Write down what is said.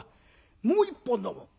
もう一本飲もう」。